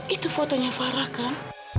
itu fotonya farah kan